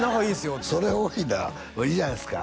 ってそれ多いな「いいじゃないっすか」